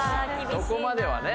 そこまではね